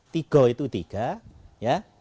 tiga itu tiga ya